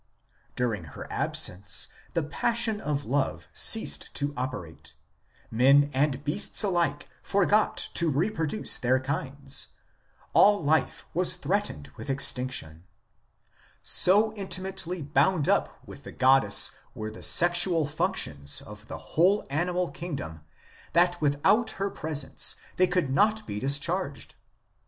During her absence the passion of love ceased to operate : men and beasts alike forgot to reproduce their kinds ; all life was threatened with extinction. So intimately bound up with the goddess were the sexual functions of the whole animal kingdom that without her presence they could not be dis charged.